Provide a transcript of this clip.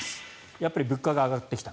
やっぱり物価が上がってきた。